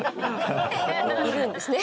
いるんですね。